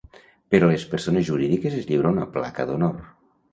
Per a les persones jurídiques es lliura una Placa d'Honor.